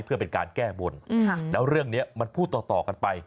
เพื่อเป็นการแก้บนแล้วเรื่องนี้มันพูดต่อกันไป